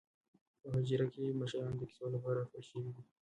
په حجره کې مشران د کیسو لپاره راټول شوي دي.